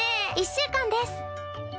１週間です。